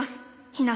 ひな」。